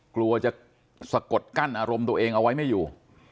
กลัวจะสะกดกั้นอารมณ์ตัวเองเอาไว้ไม่อยู่